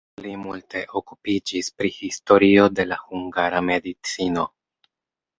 Li multe okupiĝis pri historio de la hungara medicino.